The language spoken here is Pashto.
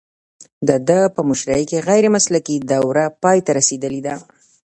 د ده په مشرۍ کې غیر مسلکي دوره پای ته رسیدلې ده